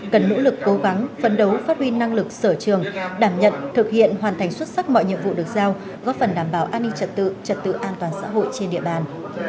cần nỗ lực cố gắng phân đấu phát huy năng lực sở trường đảm nhận thực hiện hoàn thành xuất sắc mọi nhiệm vụ được giao góp phần đảm bảo an ninh trật tự trật tự an toàn xã hội trên địa bàn